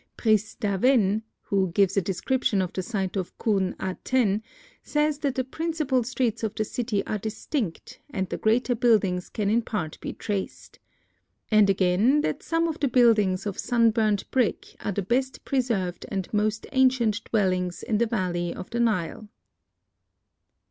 Prisse D'Avennes, who gives a description of the site of Khu n Aten, says that the principal streets of the city are distinct and the greater buildings can in part be traced. And again, that some of the buildings of sun burnt brick are the best preserved and most ancient dwellings in the valley of the Nile.